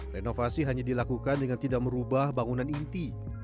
renovasi hanya dilakukan dengan tidak merubah bangunan inti